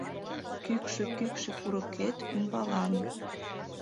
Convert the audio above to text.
Кӱкшӧ-кӱкшӧ курыкет ӱмбалан